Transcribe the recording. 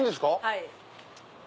はい。